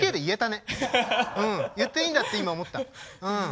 言っていいんだって今思った。